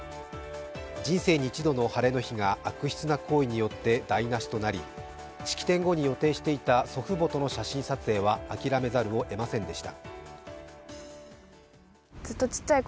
人生に一度の晴れの日が悪質な行為によって台無しとなり、式典後に予定していた祖父母との写真撮影は諦めざるを得ませんでした。